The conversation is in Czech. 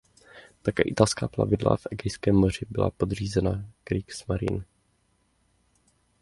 Také italská plavidla v Egejském moři byla podřízena Kriegsmarine.